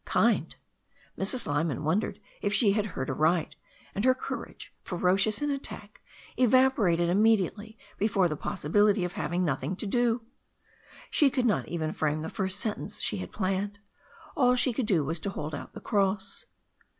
Kind! Mrs. Lyman wondered if she had heard aright, and her courage, ferocious in attack, evaporated immedi ately before the possibility of having nothing io do. She could not even frame the first sentence she had planned. All she could do was to hold out the cross.